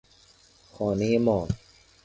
خانهی ما